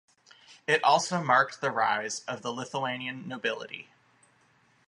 It also marked the rise of the Lithuanian nobility.